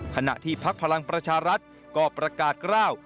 ขณะที่พักพลังประชารัฐก็ประกาศกล้าว